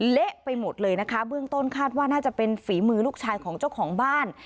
เละไปหมดเลยนะคะเบื้องต้นคาดว่าน่าจะเป็นฝีมือลูกชายของเจ้าของบ้าน